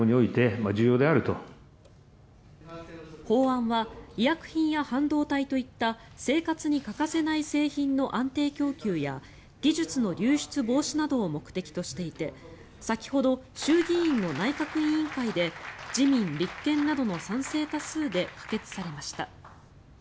法案は医薬品や半導体といった生活に欠かせない製品の安定供給や技術の流出防止などを目的としていて先ほど衆議院の内閣委員会で自民、立憲などの賛成多数で可決されました。